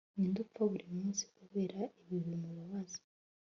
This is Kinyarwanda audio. ninde upfa buri munsi kubera ibibi bimubabaza